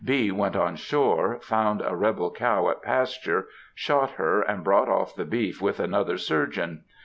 B. went on shore, found a rebel cow at pasture, shot her, and brought off the beef, with another surgeon.